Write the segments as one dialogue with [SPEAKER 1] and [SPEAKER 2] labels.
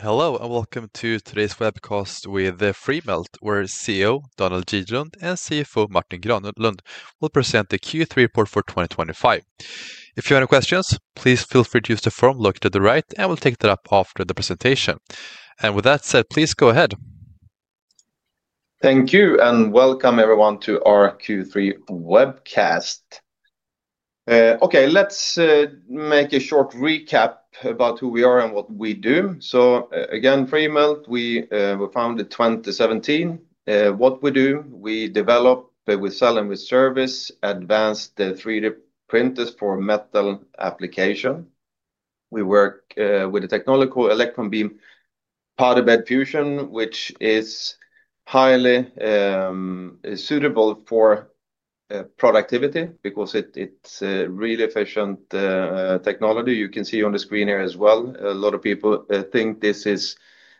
[SPEAKER 1] Hello, and welcome to today's webcast with Freemelt, where CEO Daniel Gidlund and CFO Martin Granlund will present the Q3 report for 2025. If you have any questions, please feel free to use the form located to the right, and we'll take that up after the presentation. With that said, please go ahead.
[SPEAKER 2] Thank you, and welcome everyone to our Q3 webcast. Okay, let's make a short recap about who we are and what we do. So again, Freemelt, we were founded in 2017. What we do, we develop, we sell, and we service advanced 3D printers for metal application. We work with the technological electron beam powder bed fusion, which is highly suitable for productivity because it's a really efficient technology. You can see on the screen here as well, a lot of people think this is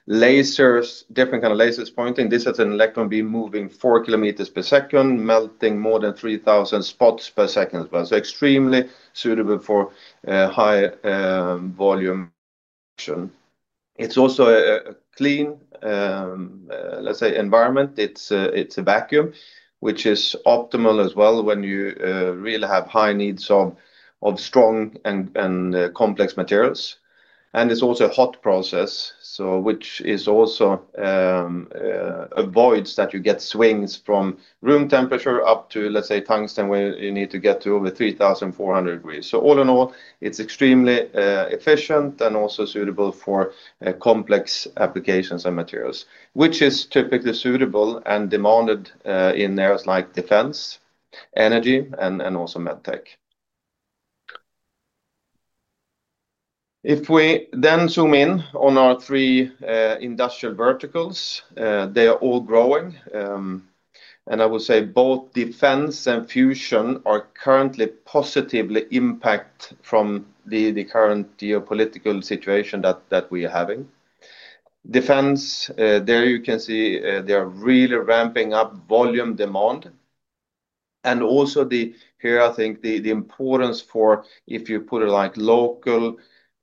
[SPEAKER 2] lasers, different kinds of lasers pointing. This is an electron beam moving 4 km/s, melting more than 3,000 spots per second as well. Extremely suitable for high volume. It's also a clean, let's say, environment. It's a vacuum, which is optimal as well when you really have high needs of strong and complex materials. It's also a hot process, which also avoids that you get swings from room temperature up to, let's say, tungsten, where you need to get to over 3,400°. All in all, it's extremely efficient and also suitable for complex applications and materials, which is typically suitable and demanded in areas like defense, energy, and also MedTech. If we then zoom in on our three industrial verticals, they are all growing. I would say both defense and fusion are currently positively impacted from the current geopolitical situation that we are having. Defense, there you can see they are really ramping up volume demand. Also here, I think the importance for, if you put it like, local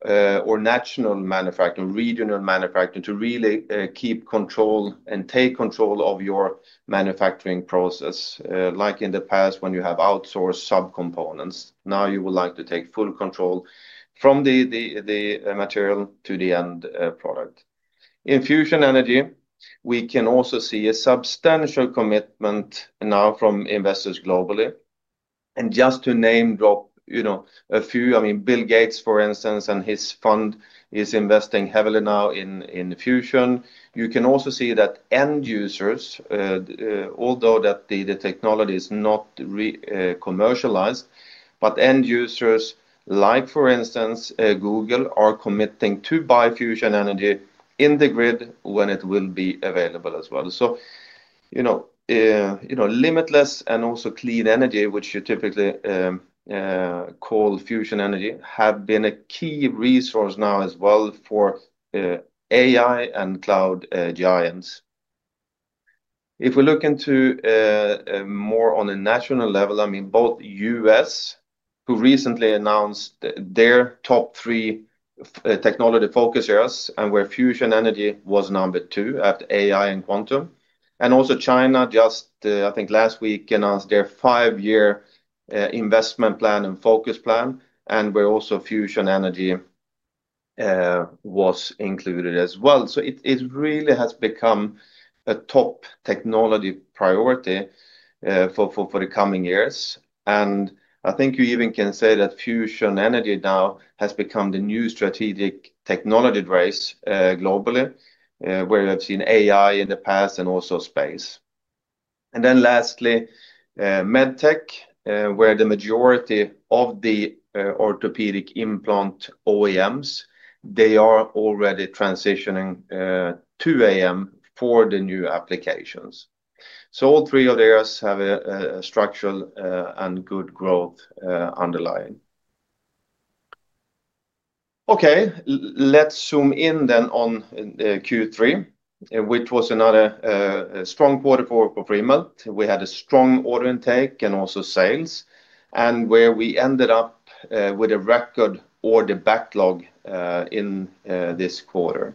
[SPEAKER 2] or national manufacturing, regional manufacturing, to really keep control and take control of your manufacturing process, like in the past when you have outsourced subcomponents. Now you would like to take full control from the material to the end product. In fusion energy, we can also see a substantial commitment now from investors globally. Just to name drop a few, I mean, Bill Gates, for instance, and his fund is investing heavily now in fusion. You can also see that end users, although the technology is not commercialized, but end users like, for instance, Google are committing to buy fusion energy in the grid when it will be available as well. Limitless and also clean energy, which you typically call fusion energy, have been a key resource now as well for AI and cloud giants. If we look into more on a national level, I mean, both U.S., who recently announced their top three technology focus areas, and where fusion energy was number two after AI and quantum, and also China, just I think last week announced their five-year investment plan and focus plan, and where also fusion energy was included as well. It really has become a top technology priority for the coming years. I think you even can say that fusion energy now has become the new strategic technology race globally, where you have seen AI in the past and also space. Lastly, medtech, where the majority of the orthopedic implant OEMs, they are already transitioning to AM for the new applications. All three of those have a structural and good growth underlying. Okay, let's zoom in then on Q3, which was another strong quarter for Freemelt. We had a strong order intake and also sales, and we ended up with a record order backlog in this quarter.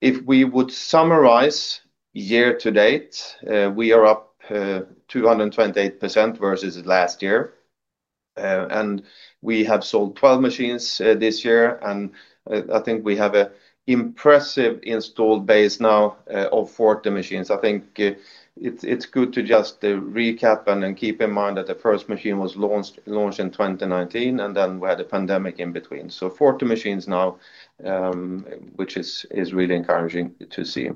[SPEAKER 2] If we would summarize, year to date, we are up 228% versus last year. We have sold 12 machines this year, and I think we have an impressive installed base now of 40 machines. I think it's good to just recap and keep in mind that the first machine was launched in 2019, and then we had a pandemic in between. Forty machines now, which is really encouraging to see.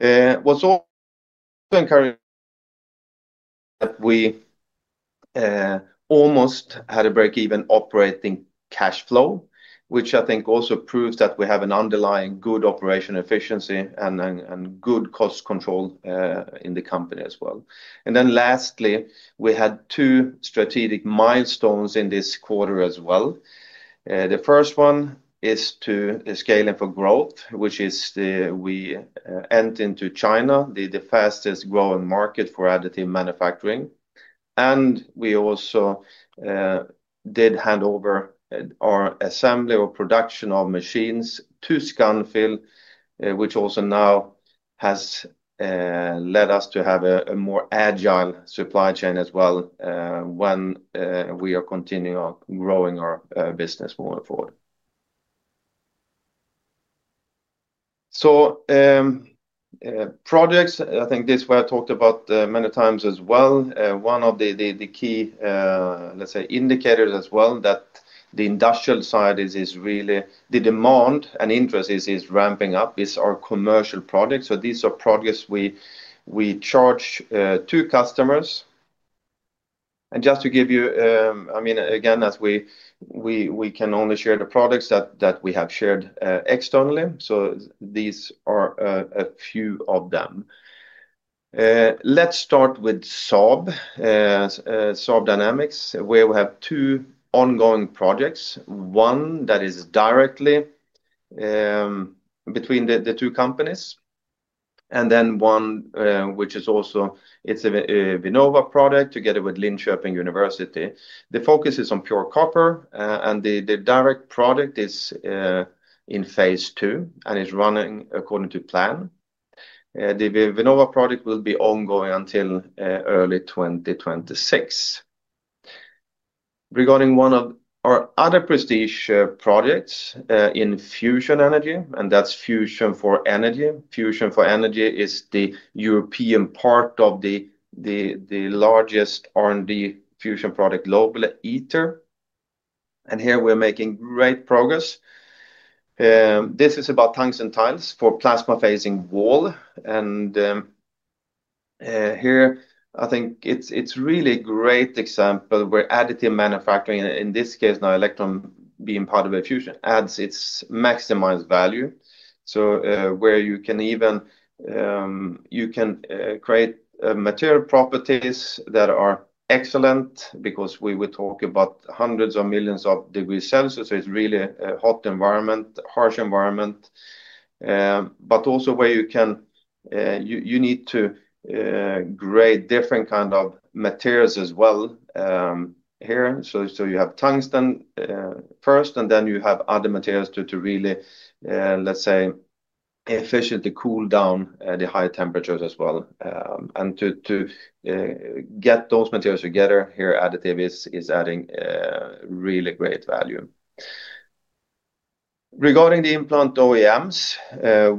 [SPEAKER 2] It was also encouraging that we almost had a break-even operating cash flow, which I think also proves that we have an underlying good operation efficiency and good cost control in the company as well. Lastly, we had two strategic milestones in this quarter as well. The first one is to scale for growth, which is we entered into China, the fastest growing market for Additive Manufacturing. We also did hand over our assembly or production of machines to Scanfil, which also now has led us to have a more agile supply chain as well when we are continuing on growing our business more forward. Projects, I think this is what I talked about many times as well. One of the key, let's say, indicators as well that the industrial side is really the demand and interest is ramping up is our commercial products. These are products we charge to customers. Just to give you, I mean, again, as we can only share the products that we have shared externally, these are a few of them. Let's start with Saab Dynamics, where we have two ongoing projects, one that is directly between the two companies, and then one which is also, it's a Vinnova product together with Linköping University. The focus is on pure copper, and the direct product is in phase two and is running according to plan. The Vinnova product will be ongoing until early 2026. Regarding one of our other prestige projects in fusion energy, and that's Fusion for Energy. Fusion for Energy is the European part of the largest R&D fusion product globally, ITER. Here we're making great progress. This is about tungsten tiles for plasma-facing wall. Here I think it's really a great example where Additive Manufacturing, in this case now electron beam powder bed fusion, adds its maximized value. You can even create material properties that are excellent because we would talk about hundreds of millions of degrees Celsius. It's really a hot environment, harsh environment, but also where you can. You need to. Grade different kinds of materials as well. Here. You have tungsten first, and then you have other materials to really, let's say, efficiently cool down the high temperatures as well. And to get those materials together, here additive is adding really great value. Regarding the implant OEMs,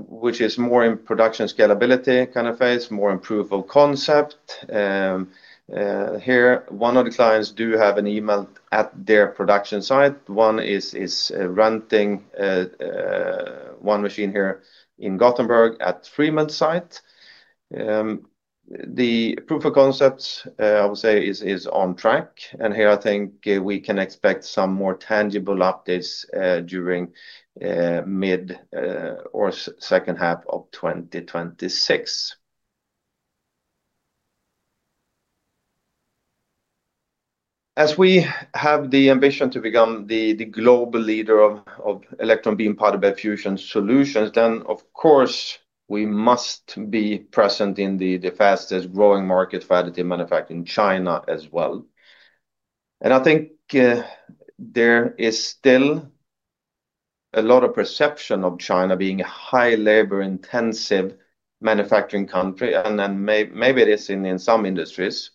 [SPEAKER 2] which is more in production scalability kind of phase, more improved concept. Here, one of the clients does have an eMELT at their production site. One is renting one machine here in Gothenburg at Freemelt's site. The proof of concept, I would say, is on track. I think we can expect some more tangible updates during mid or second half of 2026. As we have the ambition to become the global leader of electron beam powder bed fusion solutions, then of course we must be present in the fastest growing market for Additive Manufacturing in China as well. I think there is still a lot of perception of China being a high labor-intensive manufacturing country, and maybe it is in some industries.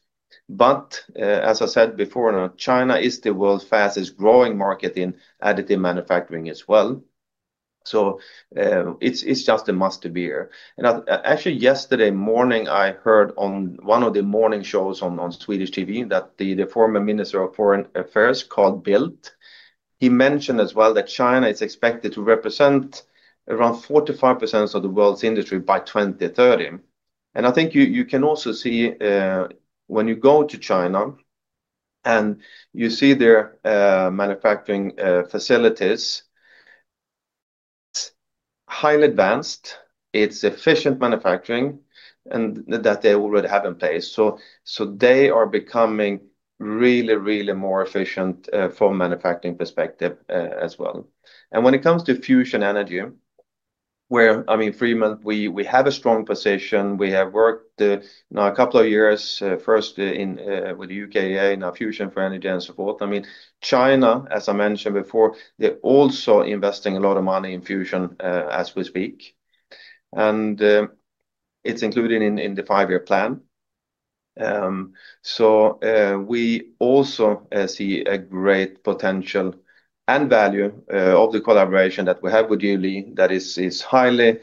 [SPEAKER 2] As I said before, China is the world's fastest growing market in Additive Manufacturing as well. It's just a must be here. Actually, yesterday morning I heard on one of the morning shows on Swedish TV that the former Minister of Foreign Affairs Carl Bildt, he mentioned as well that China is expected to represent around 45% of the world's industry by 2030. I think you can also see when you go to China and you see their manufacturing facilities. It's highly advanced, it's efficient manufacturing, and that they already have in place. They are becoming really, really more efficient from a manufacturing perspective as well. When it comes to fusion energy, where, I mean, Freemelt, we have a strong position. We have worked now a couple of years, first with the UKAEA and now Fusion for Energy and so forth. I mean, China, as I mentioned before, they're also investing a lot of money in fusion as we speak. It's included in the five-year plan. We also see a great potential and value of the collaboration that we have with Jiuli that is highly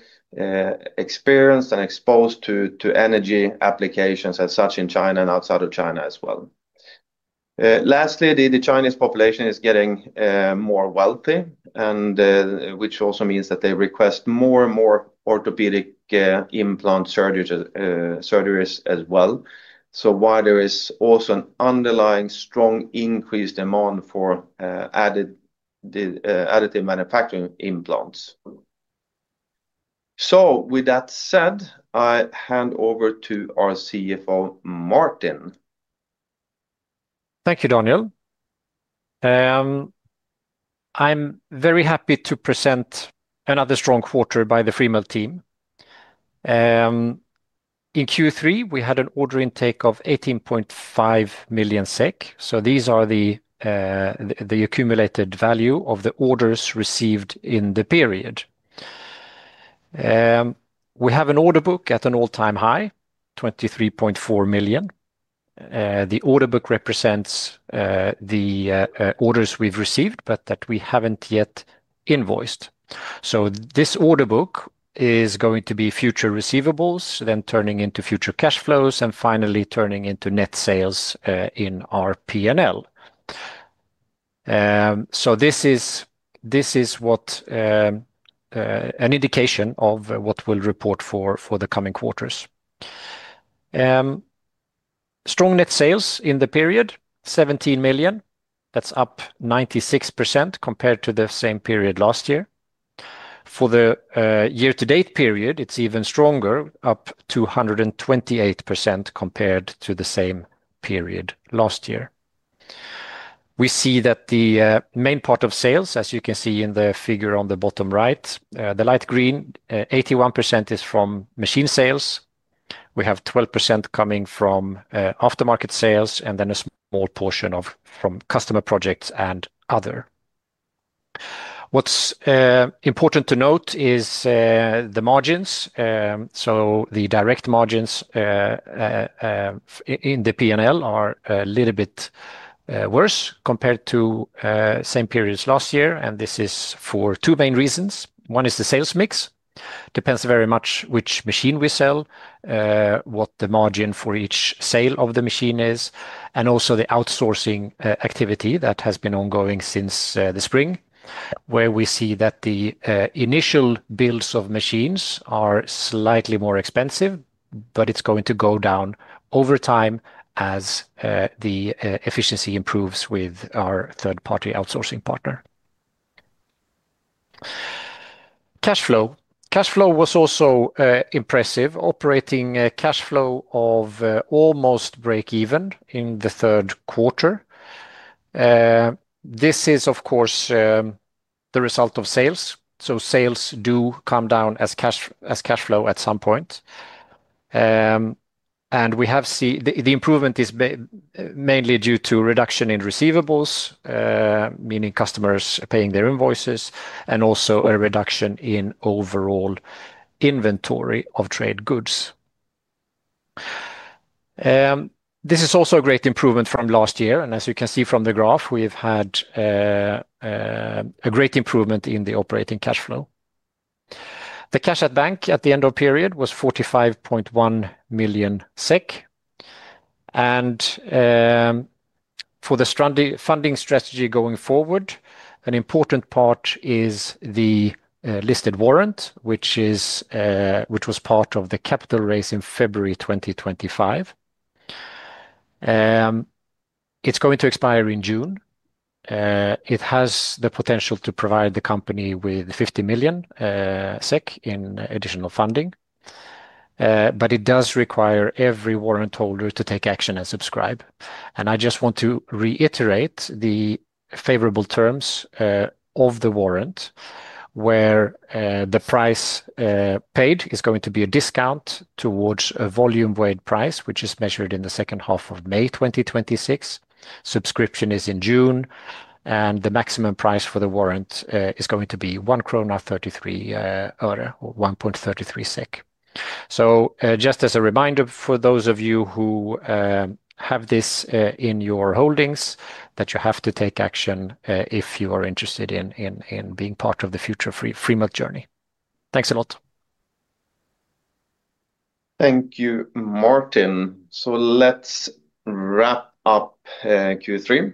[SPEAKER 2] experienced and exposed to energy applications as such in China and outside of China as well. Lastly, the Chinese population is getting more wealthy, which also means that they request more and more orthopedic implant surgeries as well. Why there is also an underlying strong increased demand for Additive Manufacturing implants. With that said, I hand over to our CFO, Martin.
[SPEAKER 3] Thank you, Daniel. I'm very happy to present another strong quarter by the Freemelt team. In Q3, we had an order intake of 18.5 million SEK. These are the accumulated value of the orders received in the period. We have an order book at an all-time high, 23.4 million. The order book represents the orders we've received, but that we haven't yet invoiced. This order book is going to be future receivables, then turning into future cash flows, and finally turning into net sales in our P&L. This is what an indication of what we'll report for the coming quarters. Strong net sales in the period, 17 million. That's up 96% compared to the same period last year. For the year-to-date period, it's even stronger, up to 128% compared to the same period last year. We see that the main part of sales, as you can see in the figure on the bottom right, the light green, 81% is from machine sales. We have 12% coming from aftermarket sales and then a small portion from customer projects and other. What's important to note is the margins. The direct margins in the P&L are a little bit worse compared to the same periods last year. This is for two main reasons. One is the sales mix. Depends very much which machine we sell, what the margin for each sale of the machine is, and also the outsourcing activity that has been ongoing since the spring, where we see that the initial builds of machines are slightly more expensive, but it's going to go down over time as the efficiency improves with our third-party outsourcing partner. Cash flow was also impressive. Operating cash flow of almost break-even in the third quarter. This is, of course, the result of sales. Sales do come down as cash flow at some point. We have seen the improvement is mainly due to reduction in receivables, meaning customers paying their invoices, and also a reduction in overall inventory of trade goods. This is also a great improvement from last year. As you can see from the graph, we've had a great improvement in the operating cash flow. The cash at bank at the end of period was 45.1 million SEK. For the funding strategy going forward, an important part is the listed warrant, which was part of the capital raise in February 2025. It's going to expire in June. It has the potential to provide the company with 50 million SEK in additional funding. It does require every warrant holder to take action and subscribe. I just want to reiterate the favorable terms of the warrant, where the price paid is going to be a discount towards a volume-weighted price, which is measured in the second half of May 2026. Subscription is in June, and the maximum price for the warrant is going to be 1.33 SEK. Just as a reminder for those of you who have this in your holdings, you have to take action if you are interested in being part of the future Freemelt journey. Thanks a lot.
[SPEAKER 2] Thank you, Martin. Let's wrap up Q3.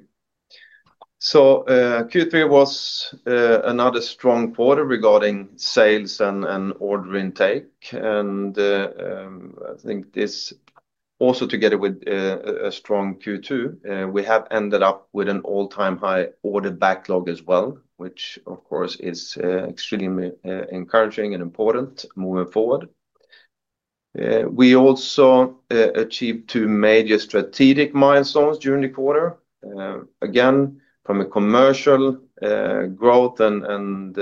[SPEAKER 2] Q3 was another strong quarter regarding sales and order intake. I think this also together with a strong Q2, we have ended up with an all-time high order backlog as well, which of course is extremely encouraging and important moving forward. We also achieved two major strategic milestones during the quarter. Again, from a commercial growth and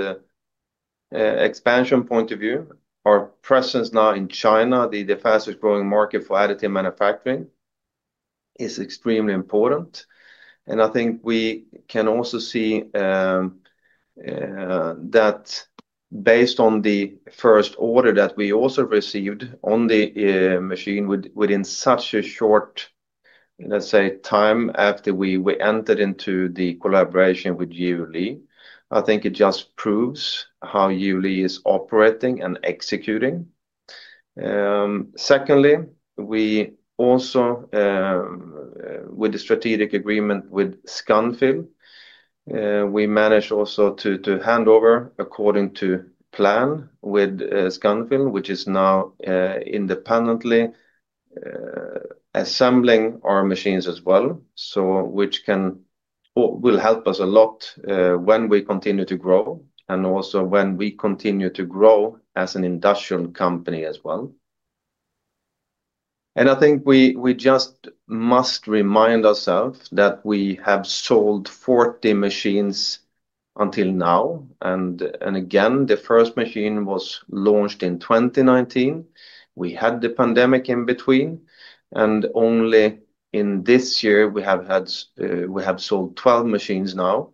[SPEAKER 2] expansion point of view, our presence now in China, the fastest growing market for Additive Manufacturing, is extremely important. I think we can also see that based on the first order that we also received on the machine within such a short, let's say, time after we entered into the collaboration with Jiuli. I think it just proves how Jiuli is operating and executing. Secondly, we also, with the strategic agreement with Scanfil, we managed also to hand over according to plan with Scanfil, which is now independently assembling our machines as well, so which can, will help us a lot when we continue to grow and also when we continue to grow as an industrial company as well. I think we just must remind ourselves that we have sold 40 machines until now. Again, the first machine was launched in 2019. We had the pandemic in between. Only in this year, we have had, we have sold 12 machines now.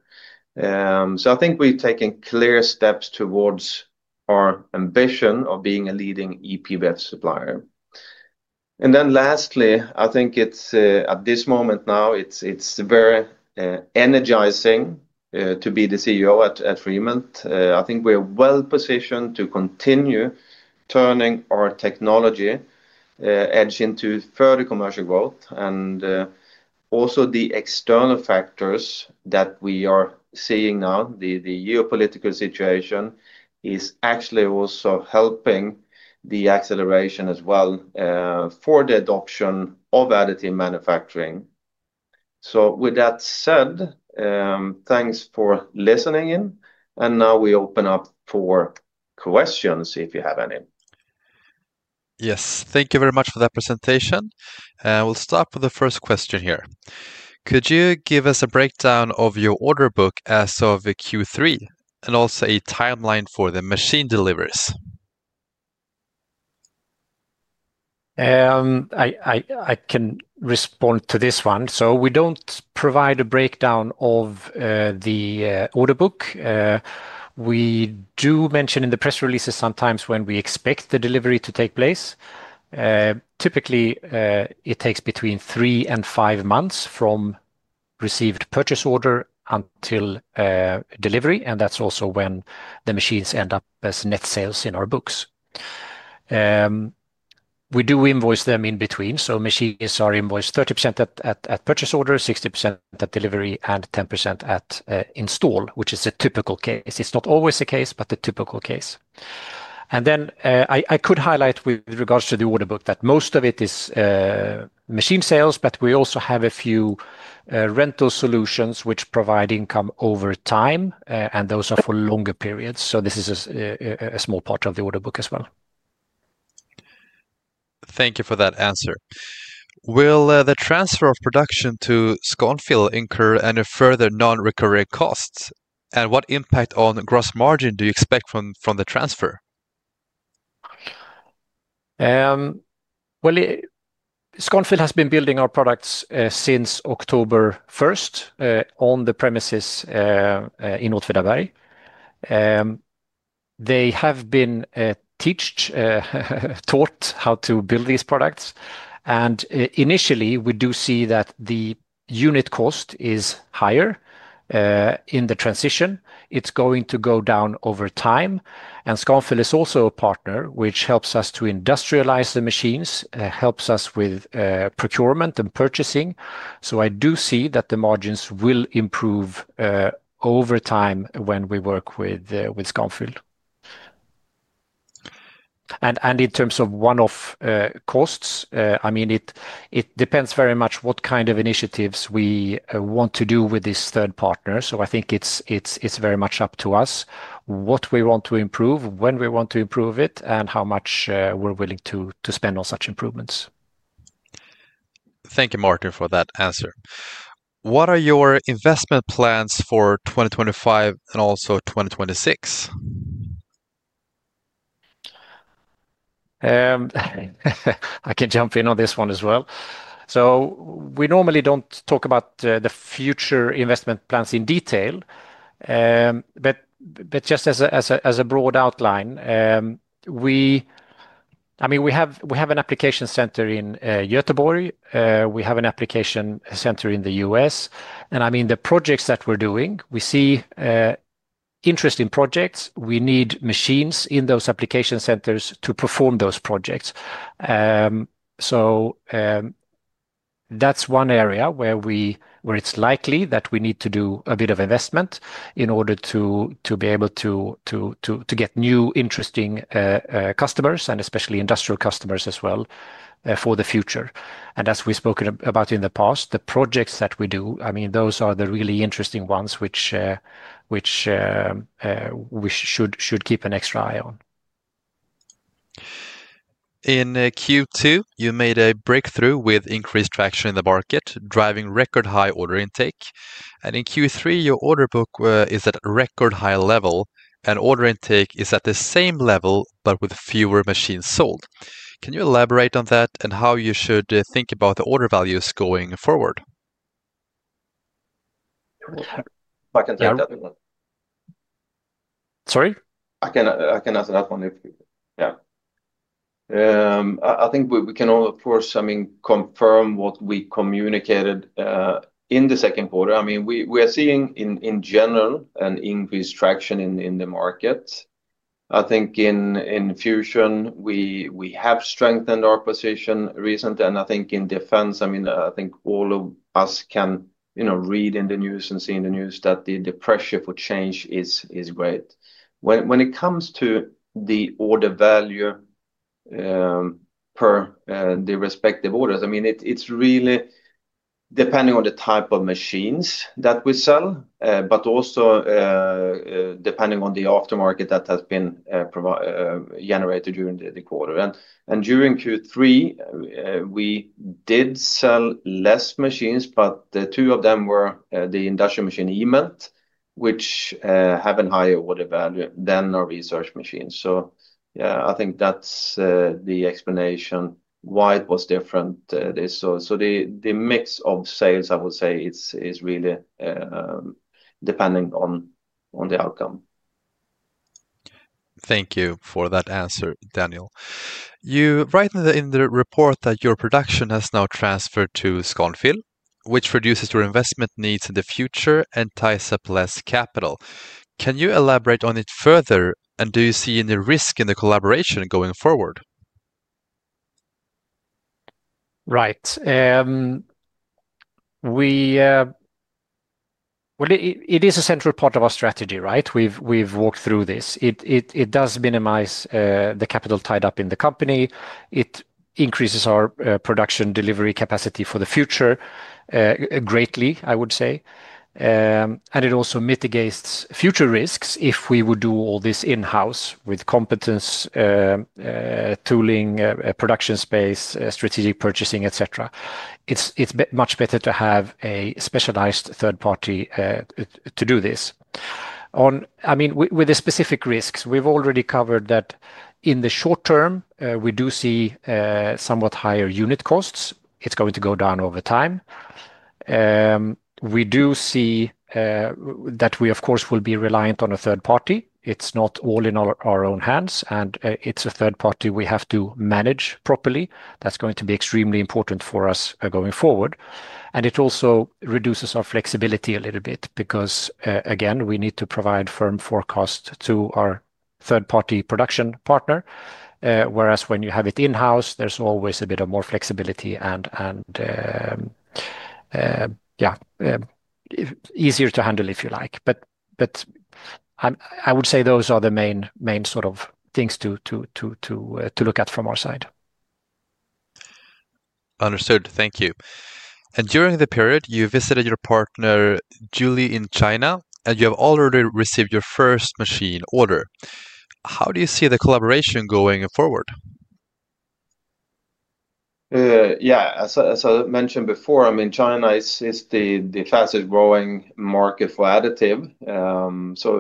[SPEAKER 2] I think we're taking clear steps towards our ambition of being a leading E-PBF supplier. Lastly, I think at this moment now, it's very energizing to be the CEO at Freemelt. I think we're well positioned to continue turning our technology edge into further commercial growth. Also, the external factors that we are seeing now, the geopolitical situation, is actually also helping the acceleration as well for the adoption of Additive Manufacturing. With that said, thanks for listening in. Now we open up for questions if you have any.
[SPEAKER 1] Yes, thank you very much for that presentation. We'll start with the first question here. Could you give us a breakdown of your order book as of Q3 and also a timeline for the machine deliveries?
[SPEAKER 3] I can respond to this one. We don't provide a breakdown of the order book. We do mention in the press releases sometimes when we expect the delivery to take place. Typically, it takes between three and five months from received purchase order until delivery. That's also when the machines end up as net sales in our books. We do invoice them in between. Machines are invoiced 30% at purchase order, 60% at delivery, and 10% at install, which is a typical case. It's not always the case, but the typical case. I could highlight with regards to the order book that most of it is machine sales, but we also have a few rental solutions which provide income over time, and those are for longer periods. This is a small part of the order book as well.
[SPEAKER 1] Thank you for that answer. Will the transfer of production to Scanfil. Incur any further non-recurring costs? What impact on gross margin do you expect from the transfer?
[SPEAKER 3] Scanfil has been building our products since October 1st on the premises in Åtvidaberg. They have been taught how to build these products. Initially, we do see that the unit cost is higher in the transition. It is going to go down over time. Scanfil is also a partner which helps us to industrialize the machines, helps us with procurement and purchasing. I do see that the margins will improve over time when we work with Scanfil. In terms of one-off costs, it depends very much on what kind of initiatives we want to do with this third partner. I think it is very much up to us what we want to improve, when we want to improve it, and how much we are willing to spend on such improvements.
[SPEAKER 1] Thank you, Martin, for that answer. What are your investment plans for 2025 and also 2026?
[SPEAKER 3] I can jump in on this one as well. We normally do not talk about the future investment plans in detail, but just as a broad outline, we have an application center in Gothenburg. We have an application center in the U.S. The projects that we are doing, we see interest in projects. We need machines in those application centers to perform those projects. That is one area where it is likely that we need to do a bit of investment in order to be able to get new interesting customers and especially industrial customers as well for the future. As we have spoken about in the past, the projects that we do, those are the really interesting ones which we should keep an extra eye on.
[SPEAKER 1] In Q2, you made a breakthrough with increased traction in the market, driving record high order intake. In Q3, your order book is at record high level, and order intake is at the same level, but with fewer machines sold. Can you elaborate on that and how you should think about the order values going forward?
[SPEAKER 2] I can take that one.
[SPEAKER 1] Sorry?
[SPEAKER 2] I can answer that one. I think we can all, of course, confirm what we communicated in the second quarter. We are seeing in general an increased traction in the market. I think in fusion, we have strengthened our position recently. I think in defense, all of us can read in the news and see in the news that the pressure for change is great. When it comes to the order value per the respective orders, it is really depending on the type of machines that we sell, but also depending on the aftermarket that has been generated during the quarter and during Q3. We did sell less machines, but two of them were the industrial machine eMELT, which have a higher order value than our research machines. Yeah, I think that's the explanation why it was different. The mix of sales, I would say, is really depending on the outcome.
[SPEAKER 1] Thank you for that answer, Daniel. You write in the report that your production has now transferred to Scanfil, which reduces your investment needs in the future and ties up less capital. Can you elaborate on it further, and do you see any risk in the collaboration going forward?
[SPEAKER 3] Right. It is a central part of our strategy, right? We've walked through this.It does minimize the capital tied up in the company. It increases our production delivery capacity for the future, greatly, I would say. It also mitigates future risks if we would do all this in-house with competence, tooling, production space, strategic purchasing, etc. It's much better to have a specialized third party to do this. I mean, with the specific risks, we've already covered that in the short term, we do see somewhat higher unit costs. It's going to go down over time. We do see that we, of course, will be reliant on a third party. It's not all in our own hands, and it's a third party we have to manage properly. That's going to be extremely important for us going forward. It also reduces our flexibility a little bit because, again, we need to provide firm forecasts to our third-party production partner. Whereas when you have it in-house, there's always a bit more flexibility and, yeah, easier to handle, if you like. I would say those are the main sort of things to look at from our side.
[SPEAKER 1] Understood. Thank you. During the period, you visited your partner, Jiuli, in China, and you have already received your first machine order. How do you see the collaboration going forward?
[SPEAKER 2] Yeah, as I mentioned before, China is the fastest growing market for additive.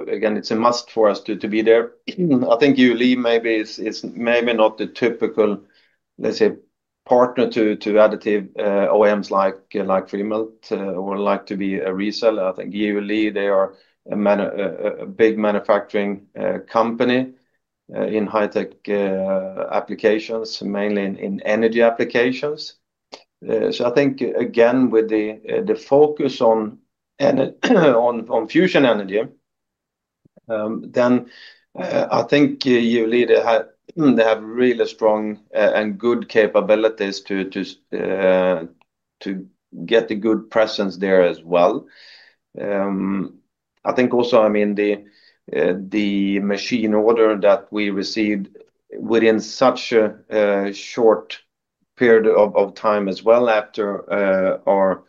[SPEAKER 2] Again, it's a must for us to be there. I think Jiuli maybe is maybe not the typical partner to additive OEMs like Freemelt or like to be a reseller. I think Jiuli, they are a big manufacturing company in high-tech applications, mainly in energy applications. I think, again, with the focus on fusion energy, then I think Jiuli, they have really strong and good capabilities to get a good presence there as well. I think also, the machine order that we received within such a short period of time as well after our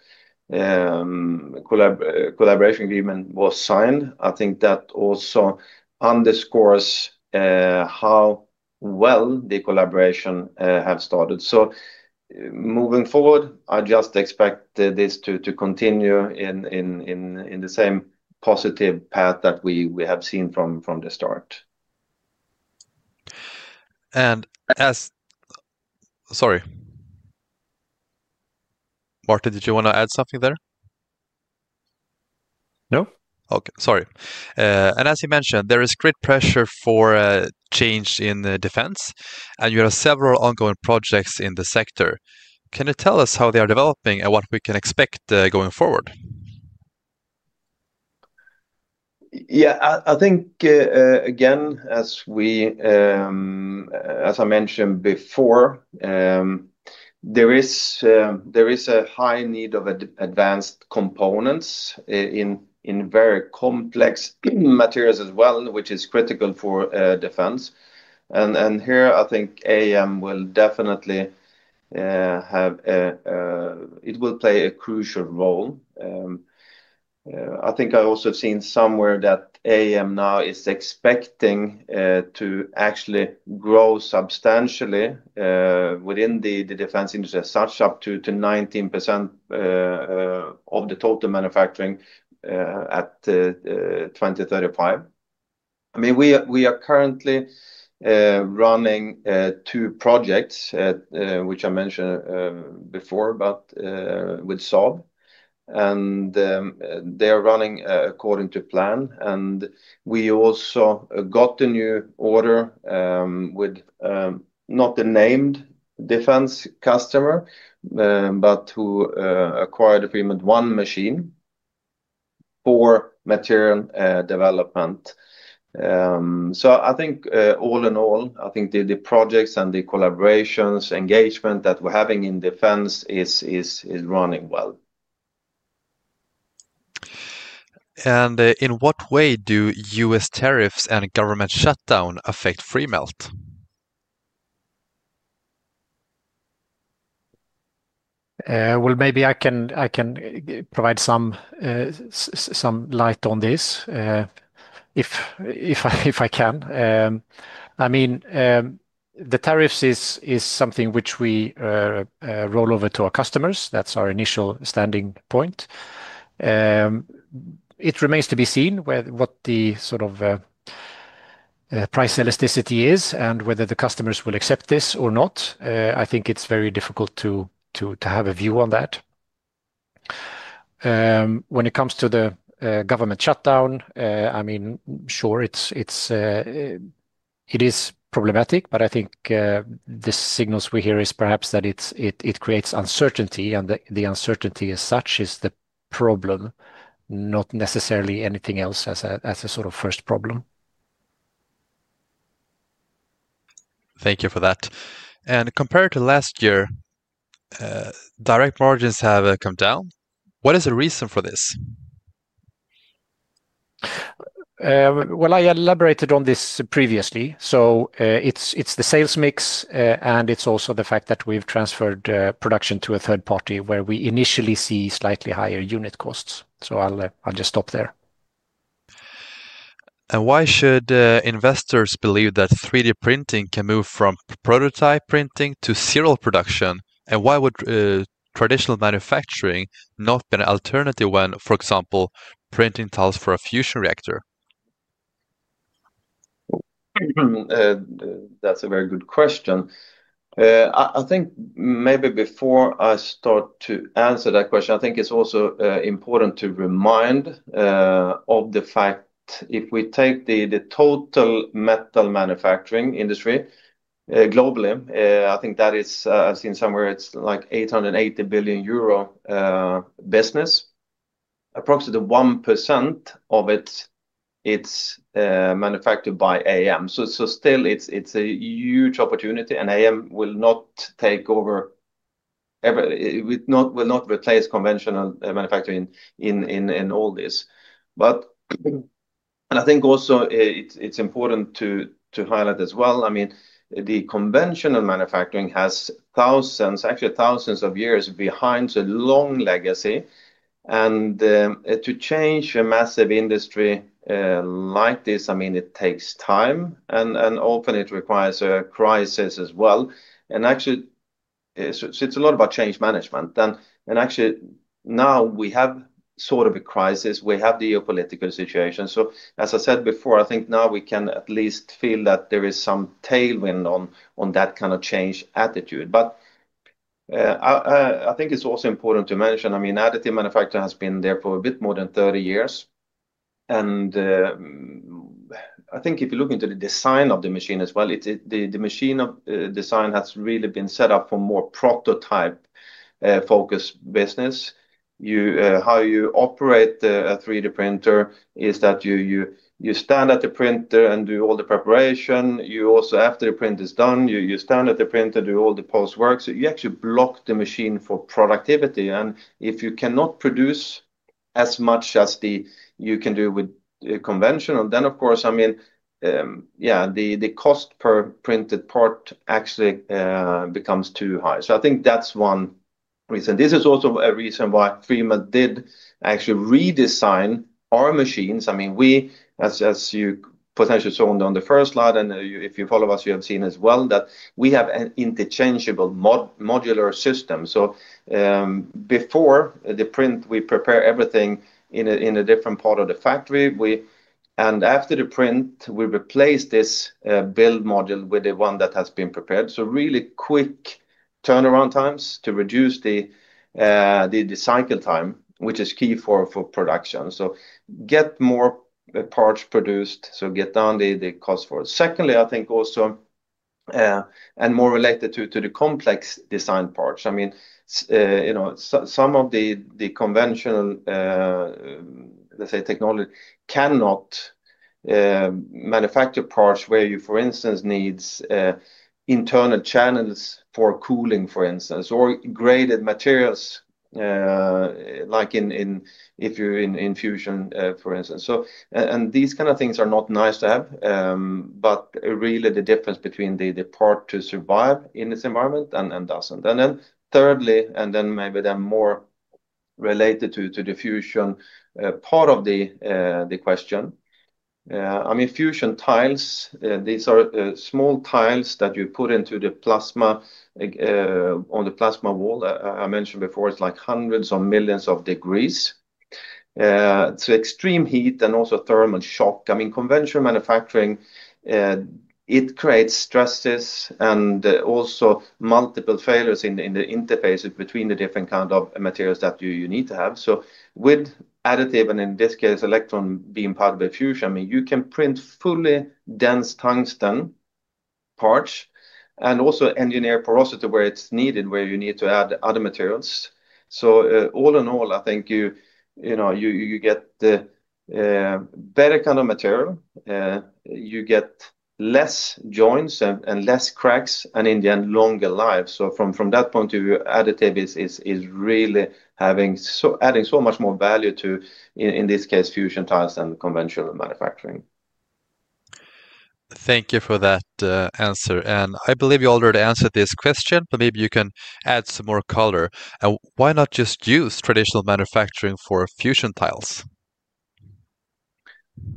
[SPEAKER 2] collaboration agreement was signed, I think that also underscores how well the collaboration has started. Moving forward, I just expect this to continue in the same positive path that we have seen from the start.
[SPEAKER 1] As—sorry. Martin, did you want to add something there?
[SPEAKER 3] No?
[SPEAKER 1] Okay. Sorry. As you mentioned, there is great pressure for change in defense, and you have several ongoing projects in the sector. Can you tell us how they are developing and what we can expect going forward?
[SPEAKER 2] Yeah. I think, again, as I mentioned before, there is a high need of advanced components in very complex materials as well, which is critical for defense. Here, I think AM will definitely have a, it will play a crucial role. I think I also have seen somewhere that AM now is expecting to actually grow substantially within the defense industry, such up to 19% of the total manufacturing at 2035. I mean, we are currently running two projects, which I mentioned before, but with Saab. They are running according to plan. We also got a new order with not the named defense customer, but who acquired a Freemelt ONE machine for material development. I think all in all, I think the projects and the collaborations, engagement that we're having in defense is running well.
[SPEAKER 1] In what way do U.S. tariffs and government shutdown affect Freemelt?
[SPEAKER 3] Maybe I can provide some light on this, if I can. I mean, the tariffs is something which we roll over to our customers. That's our initial standing point. It remains to be seen what the sort of price elasticity is and whether the customers will accept this or not. I think it's very difficult to have a view on that. When it comes to the government shutdown, sure, it is problematic, but I think the signals we hear is perhaps that it creates uncertainty, and the uncertainty as such is the problem, not necessarily anything else as a sort of first problem.
[SPEAKER 1] Thank you for that. Compared to last year, direct margins have come down. What is the reason for this?
[SPEAKER 3] I elaborated on this previously. It's the sales mix, and it's also the fact that we've transferred production to a third party where we initially see slightly higher unit costs. I'll just stop there.
[SPEAKER 1] Why should investors believe that 3D printing can move from prototype printing to serial production? Why would traditional manufacturing not be an alternative when, for example, printing tiles for a fusion reactor?
[SPEAKER 2] That's a very good question. I think maybe before I start to answer that question, I think it's also important to remind of the fact if we take the total metal manufacturing industry globally, I think that is, I've seen somewhere it's like 880 billion euro business. Approximately 1% of it is manufactured by AM. Still, it's a huge opportunity, and AM will not take over, will not replace conventional manufacturing in all this. I think also it's important to highlight as well, I mean, the conventional manufacturing has thousands, actually thousands of years behind a long legacy. To change a massive industry. Like this, I mean, it takes time, and often it requires a crisis as well. Actually, it is a lot about change management. Actually, now we have sort of a crisis. We have the geopolitical situation. As I said before, I think now we can at least feel that there is some tailwind on that kind of change attitude. I think it is also important to mention, I mean, Additive Manufacturing has been there for a bit more than 30 years. If you look into the design of the machine as well, the machine design has really been set up for more prototype-focused business. How you operate a 3D printer is that you stand at the printer and do all the preparation. You also, after the print is done, stand at the printer, do all the post-work. You actually block the machine for productivity. If you cannot produce as much as you can do with conventional, then of course, I mean, yeah, the cost per printed part actually becomes too high. I think that is one reason. This is also a reason why Freemelt did actually redesign our machines. I mean, we, as you potentially saw on the first slide, and if you follow us, you have seen as well that we have an interchangeable modular system. Before the print, we prepare everything in a different part of the factory. After the print, we replace this build module with the one that has been prepared. Really quick turnaround times to reduce the cycle time, which is key for production. Get more parts produced, get down the cost for it. Secondly, I think also, and more related to the complex design parts, I mean, some of the conventional, let's say, technology cannot manufacture parts where you, for instance, need internal channels for cooling, for instance, or graded materials. Like if you are in fusion, for instance. These kind of things are not nice to have, but really the difference between the part to survive in this environment and does not. Thirdly, and then maybe more related to the fusion part of the question, I mean, fusion tiles, these are small tiles that you put into the plasma, on the plasma wall. I mentioned before, it is like hundreds of millions of degrees. It is extreme heat and also thermal shock. Conventional manufacturing creates stresses and also multiple failures in the interfaces between the different kinds of materials that you need to have. With additive, and in this case, electron beam part of the fusion, you can print fully dense tungsten parts and also engineer porosity where it is needed, where you need to add other materials. All in all, I think you get better kind of material. You get less joints and less cracks, and in the end, longer lives. From that point of view, additive is really adding so much more value to, in this case, fusion tiles than conventional manufacturing.
[SPEAKER 1] Thank you for that answer. I believe you already answered this question, but maybe you can add some more color. Why not just use traditional manufacturing for fusion tiles?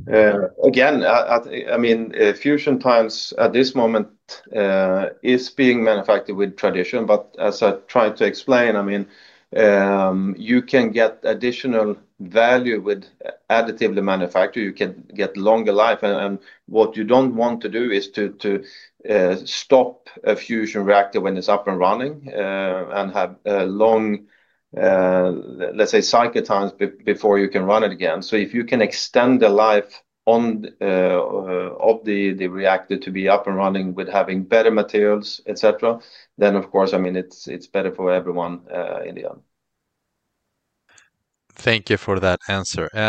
[SPEAKER 3] Again, I mean, fusion tiles at this moment are being manufactured with tradition. As I tried to explain, you can get additional value with additively manufactured. You can get longer life. What you do not want to do is to stop a fusion reactor when it is up and running and have long, let's say, cycle times before you can run it again. If you can extend the life of the reactor to be up and running with having better materials, etc., then of course, it is better for everyone in the end.
[SPEAKER 1] Thank you for that answer. We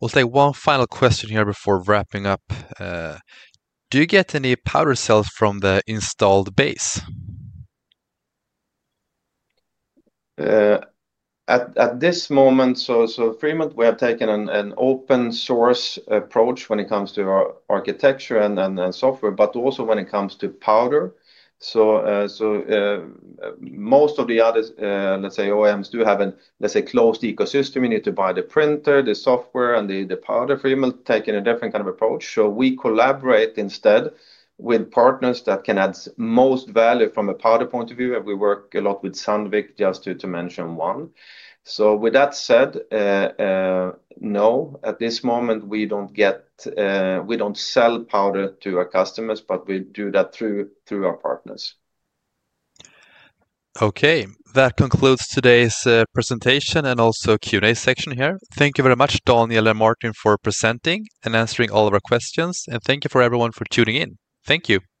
[SPEAKER 1] will take one final question here before wrapping up. Do you get any powder sales from the installed base?
[SPEAKER 3] At this moment, Freemelt, we have taken an open-source approach when it comes to our architecture and software, but also when it comes to powder. Most of the other, let's say, OEMs do have a, let's say, closed ecosystem. You need to buy the printer, the software, and the powder. Freemelt is taking a different kind of approach. We collaborate instead with partners that can add most value from a powder point of view. We work a lot with Sandvik, just to mention one. With that said, no, at this moment, we do not sell powder to our customers, but we do that through our partners.
[SPEAKER 1] Okay. That concludes today's presentation and also Q&A section here. Thank you very much, Daniel and Martin, for presenting and answering all of our questions. Thank you for everyone for tuning in. Thank you.
[SPEAKER 2] Thank you.